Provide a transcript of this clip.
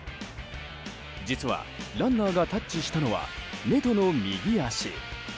実はランナーがタッチしたのはネトの右足。